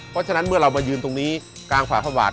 เพราะฉะนั้นเมื่อเรามายืนตรงนี้กลางฝ่าพระบาท